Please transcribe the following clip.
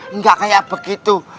enggak kayak begitu